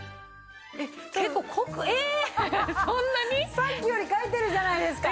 さっきより書いてるじゃないですか。